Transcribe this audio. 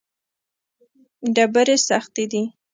ډبرې سختې دي.